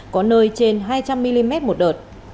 có nơi trên hai trăm linh mm một đợt